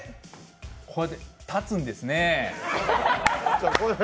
こうやって立つんですね。